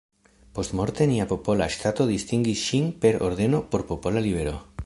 Postmorte nia popola ŝtato distingis ŝin per ordeno „Por popola libero".